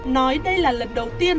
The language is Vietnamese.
nói đây là lần đầu tiên